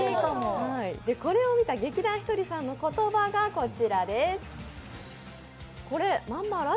これを見た劇団ひとりさんの言葉がこちらです。